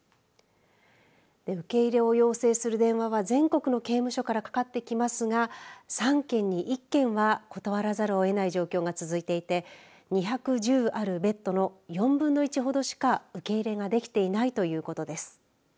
受け入れを要請する電話は全国の刑務所からかかってきますが３件に１件は断らざるを得ない状況が続いていて２１０あるベッドの４分の１ほどしか受け入れができていないということです。